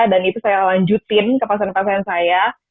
dan itu saya lanjutin ke pasien pasien saya